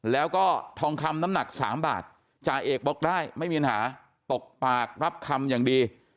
แล้วก็ทองคำน้ำหนัก๓บาทจ่าเอกบอกได้ไม่มีปัญหาตกปากรับคำอย่างดี